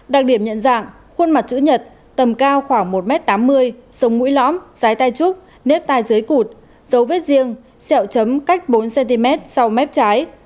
đặc điểm nhận dạng khuôn mặt chữ nhật tầm cao khoảng một m tám mươi sống mũi lõm sái tay trúc nếp tay dưới cụt dấu vết riêng sẹo chấm cách bốn cm sau mép trái